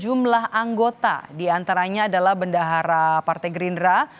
jumlah anggota diantaranya adalah bendahara partai gerindra